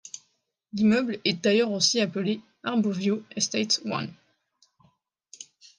L'immeuble est d'ailleurs aussi appelé 'Harbourview Estates I'.